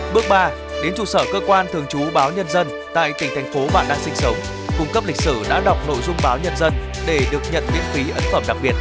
bước ba đến trụ sở cơ quan thường trú báo nhân dân tại tỉnh thành phố bạn đang sinh sống cung cấp lịch sử đã đọc nội dung báo nhân dân để được nhận miễn phí ấn phẩm đặc biệt